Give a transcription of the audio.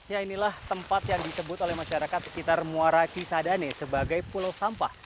ya inilah tempat yang disebut oleh masyarakat sekitar muara cisadane sebagai pulau sampah